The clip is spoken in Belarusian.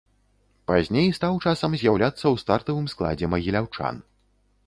Пазней стаў часам з'яўляцца ў стартавым складзе магіляўчан.